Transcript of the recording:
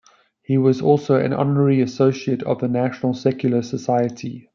He was also an honorary associate of the National Secular Society.